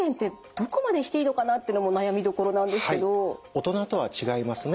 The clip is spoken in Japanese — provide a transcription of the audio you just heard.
大人とは違いますね。